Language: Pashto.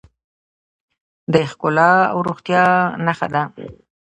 د ښکلا او روغتیا نښه ده.